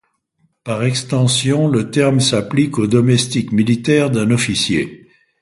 Par extension, le terme s'applique au domestique militaire d'un officier.